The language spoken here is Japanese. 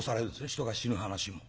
人が死ぬ噺も。